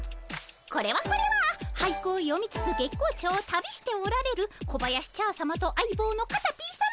これはこれは俳句を詠みつつ月光町を旅しておられる小林茶さまと相棒のカタピーさま。